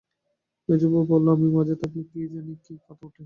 মেজোবউ বললে, আমি মাঝে থাকলে কী জানি কখন কী কথা ওঠে।